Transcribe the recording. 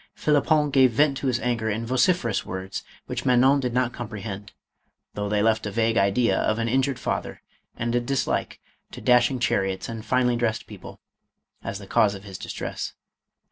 Phlippon gave vent to his anger in vociferous words which Manon did not comprehend, though they left a vague idea of an injured father, and a dislike to dashing chariots and finely dressed people, as the cause of his distress.